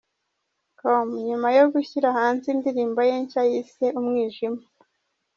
com nyuma yo gushyira hanze indirimbo ye nshya yise Umwijima.